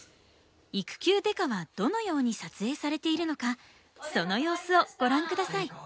「育休刑事」はどのように撮影されているのかその様子をご覧下さい。